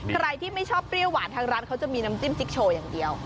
ใครที่ไม่ชอบเปรี้ยวหวานทางร้านเขาจะมีน้ำจิ้มจิ๊กโชว์อย่างเดียว